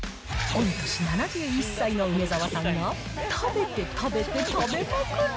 御年７１歳の梅沢さんが、食べて食べて食べまくる。